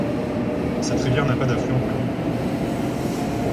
Cette rivière n'a pas d'affluent connu.